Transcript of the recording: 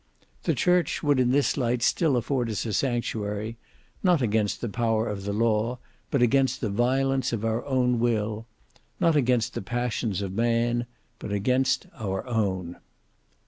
The church would in this light still afford us a sanctuary; not against the power of the law but against the violence of our own will; not against the passions of man but against our own.